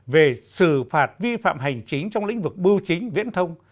về xử phạt vi phạm hành chính trong lĩnh vực bưu chính viễn thông